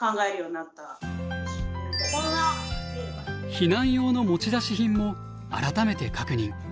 避難用の持ち出し品も改めて確認。